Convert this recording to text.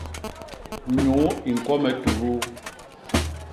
Nyuu i ñkwo me tuduu.